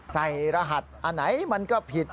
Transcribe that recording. รหัสอันไหนมันก็ผิด